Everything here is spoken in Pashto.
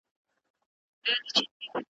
هیلي او لحظې ستا غوندي